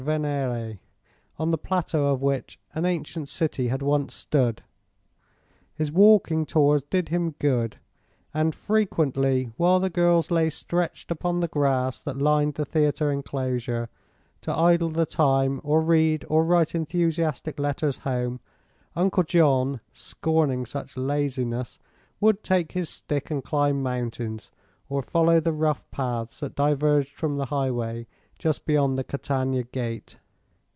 Venere, on the plateau of which an ancient city had once stood. His walking tours did him good, and frequently while the girls lay stretched upon the grass that lined the theatre enclosure, to idle the time or read or write enthusiastic letters home, Uncle John, scorning such laziness, would take his stick and climb mountains, or follow the rough paths that diverged from the highway just beyond the Catania Gate.